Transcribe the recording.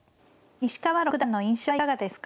西川六段の印象はいかがですか。